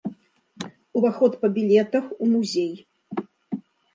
Уваход па білетах у музей.